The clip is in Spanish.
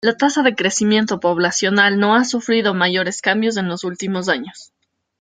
La tasa de crecimiento poblacional no ha sufrido mayores cambios en los últimos años.